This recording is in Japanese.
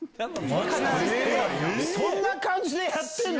そんな感じでやってるの？